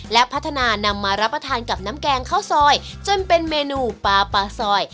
และพัฒนานำมารับประทานกับน้ำแกงข้าวซอยจนเป็นเมนูปลาปลาซอย